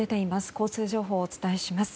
交通情報をお伝えします。